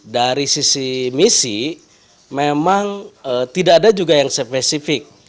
dari sisi misi memang tidak ada juga yang spesifik